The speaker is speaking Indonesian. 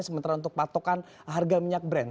sementara untuk patokan harga minyak brand